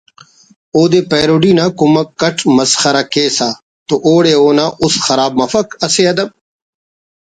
اودے پیروڈی نا کمک اٹ مسخرہ کیسہ تو اوڑے اونا اُست خراب مفک اسہ ادب